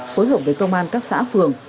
phối hợp với công an các xã phường